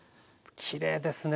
きれいですね。